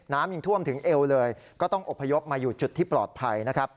น้ำยังท่วมถึงเอวเลยก็ต้องอบพยพมาอยู่จุดที่ปลอดภัยนะครับ